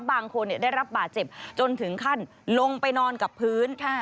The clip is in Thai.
บางคนได้รับบาดเจ็บจนถึงขั้นลงไปนอนกับพื้น